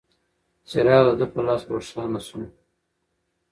څراغ د ده په لاس روښانه شو.